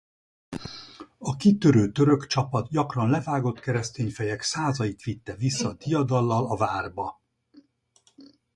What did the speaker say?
A kitörő török csapat gyakran levágott keresztény fejek százait vitte vissza diadallal a várba.